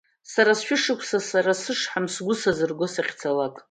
Сара сшәышықәсақәа, сара сышҳам, сгәы сазырго, сахьцалакь.